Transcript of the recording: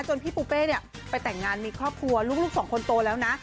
จนพี่ปุ้เปไปแต่งงานมีครอบครัวลูก๒คนโตแล้วนะ